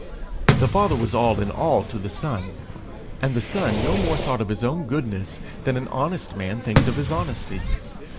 The Father was all in all to the Son, and the Son no more thought of his own goodness than an honest man thinks of his honesty.